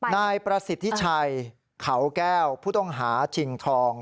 นายประสิทธิไชยเขาแก้วพุทธงหาจิงทอง